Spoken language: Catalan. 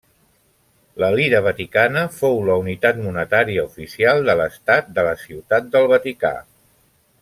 La lira vaticana fou la unitat monetària oficial de l'estat de la Ciutat del Vaticà.